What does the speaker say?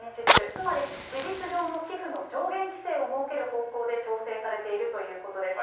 つまり事実上の寄付の上限規制を設ける方向で調整されているということです。